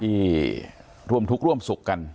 ที่ร่วมทุกข์ร่วมสุขกัน